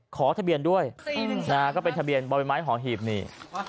ขอทะเบียนด้วยนะฮะก็เป็นทะเบียนบ่อใบไม้หอหีบนี่